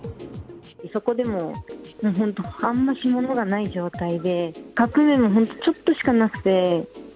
そこでも本当、あんまし物がない状態で、カップ麺も本当、ちょっとしかなくて。